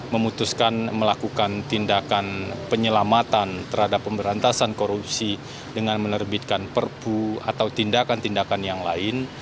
memutuskan melakukan tindakan penyelamatan terhadap pemberantasan korupsi dengan menerbitkan perpu atau tindakan tindakan yang lain